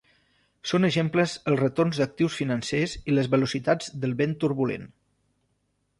Són exemples els retorns d'actius financers i les velocitats del vent turbulent.